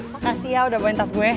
makasih ya udah poin tas gue